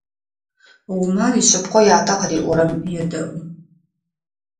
Умар ишъыпкъэу ятэ къыриӏорэм едэӏу.